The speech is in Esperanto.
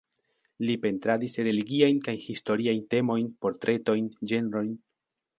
Li pentradis religiajn kaj historiajn temojn, portretojn, ĝenrojn.